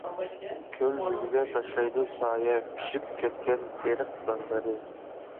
كۆل يۈزىگە تاشلايدۇ سايە پىشىپ كەتكەن تېرىق دانلىرى.